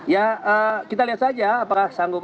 ya kita lihat saja apakah sanggup